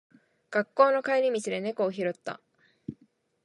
学校の帰り道で猫を拾った。